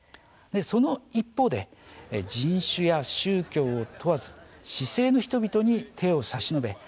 その一方で、人種や宗教を問わず市井の人々に手を差し伸べ